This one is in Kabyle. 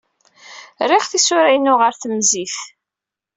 Rriɣ tisura-inu ɣer temzit.